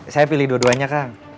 saya pilih dua duanya kang